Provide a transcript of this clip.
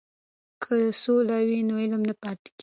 که سوله وي نو علم نه پاتې کیږي.